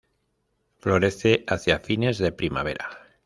Florece hacia fines de primavera.